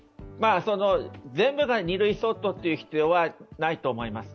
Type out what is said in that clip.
全部が２類相当の必要はないと思います。